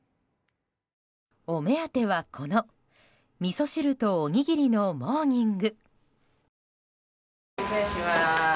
お目当ては、このみそ汁とおにぎりのモーニング。